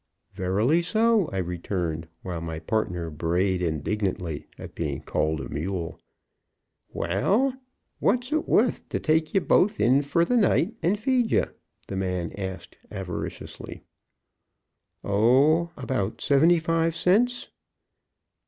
"Verily so," I returned, while my partner brayed indignantly at being called a mule. "Wall, what's it wuth to take you both in fer the night and feed ye?" the man asked, avariciously. "Oh, about seventy five cents."